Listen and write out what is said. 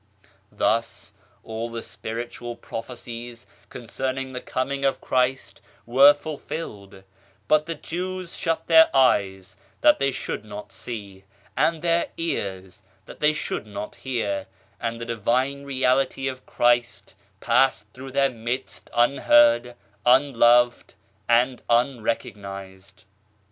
Thus, all the spiritual prophecies concerning the coming of Christ were fulfilled, but the Jews shut their eyes that they should not see, and their ears that they should not fiear, and the Divine Reality of Christ passed through their midst unheard, unloved and unrecog nized.